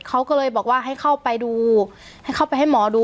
เขาก็เลยบอกว่าให้เข้าไปดูให้เข้าไปให้หมอดู